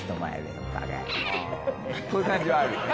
こういう感じはあるよね。